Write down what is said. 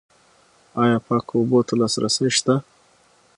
آیا پاکو اوبو ته لاسرسی شته؟